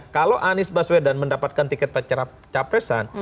kalau anies baswedan mendapatkan tiket pecah perhiasan